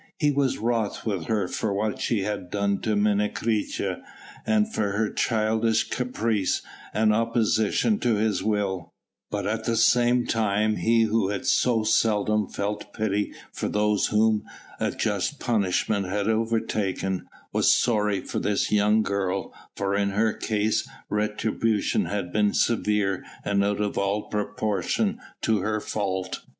He was wroth with her for what she had done to Menecreta and for her childish caprice and opposition to his will, but at the same time he who so seldom felt pity for those whom a just punishment had overtaken, was sorry for this young girl, for in her case retribution had been severe and out of all proportion to her fault.